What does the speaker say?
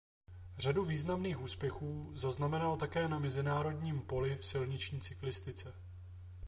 Řadu významných úspěchů zaznamenal také na mezinárodním poli v silniční cyklistice.